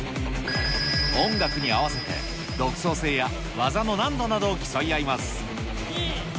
音楽に合わせて、独創性や技の難度などを競い合います。